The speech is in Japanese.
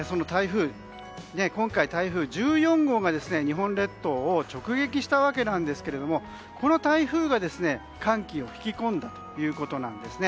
今回、台風１４号が日本列島を直撃したわけなんですけれどこの台風が寒気を引き込んだということなんです。